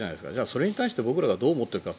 それに対して僕らがどう思っているか。